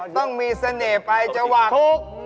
ต้องมีเสน่ห์ไปเฉวัก